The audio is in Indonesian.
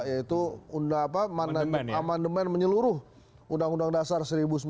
yaitu amandemen menyeluruh undang undang dasar seribu sembilan ratus empat puluh lima